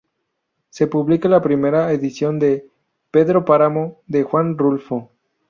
Se publica la primera edición de "Pedro Páramo" de Juan Rulfo.